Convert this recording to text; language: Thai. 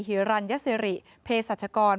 ฮรัญสิริเพศรัชกร